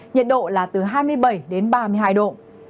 nhiệt độ là từ hai mươi bảy đến ba mươi hai độ